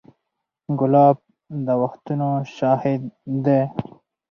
ګلاب د وختونو شاهد دی.